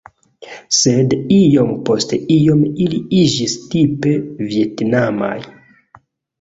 Sed iom post iom ili iĝis tipe vjetnamaj.